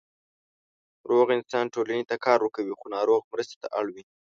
روغ انسان ټولنې ته کار ورکوي، خو ناروغ مرستې ته اړ وي.